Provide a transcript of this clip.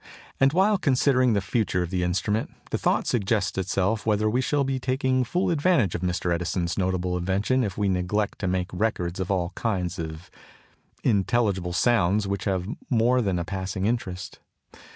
And while considering the future of the instrument, the thought suggests itself whether we shall be taking full advantage of Mr. Edison's notable invention if we neglect to make records of all kinds of intelligible sounds which have more than a passing interest.